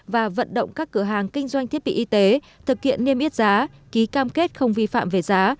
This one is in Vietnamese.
và vận động các cửa hàng kinh doanh thiết bị y tế thực hiện niêm yết giá ký cam kết không vi phạm về giá